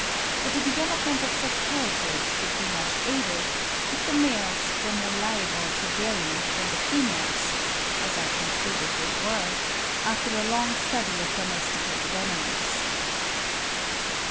But the development of such characters would be much aided, if the males were more liable to vary than the females—as I concluded they were—after a long study of domesticated animals.